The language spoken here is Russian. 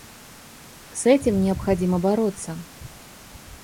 С этим необходимо бороться.